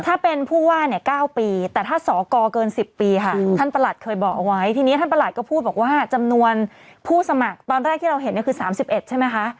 ถ้าเป็นผู้ว่าเนี่ย๙ปีแต่ถ้าสอกรเกิน๑๐ปีค่ะท่านประหลัดเคยบอกเอาไว้ทีนี้ท่านประหลัดก็พูดบอกว่าจำนวนผู้สมัครตอนแรกที่เราเห็นเนี่ยคือ๓๑ใช่ไหมคะ